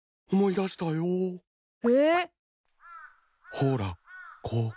ほらここ。